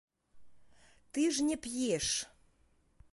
Ты ж не п'еш.